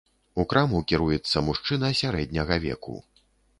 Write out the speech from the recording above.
У краму кіруецца мужчына сярэдняга веку.